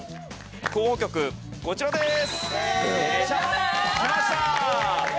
候補曲、こちらです。